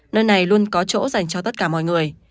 nơi này luôn có chỗ dành cho tất cả mọi người